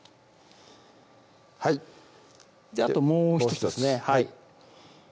はいであともう１つですね